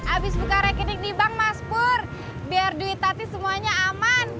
abis buka rekening di bank mas pur biar duit tadi semuanya aman